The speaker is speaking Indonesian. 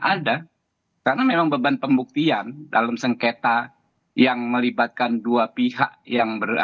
ada karena memang beban pembuktian dalam sengketa yang melibatkan dua pihak yang